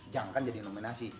jangan kan jadi nominasi